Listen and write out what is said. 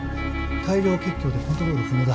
大量血胸でコントロール不能だ。